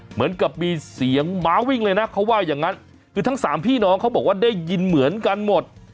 เหมือนกับมีเสียงหมาวิ่งเลยนะเขาว่าอย่างนั้นคือทั้งสามพี่น้องเขาบอกว่าได้ยินเหมือนกันหมด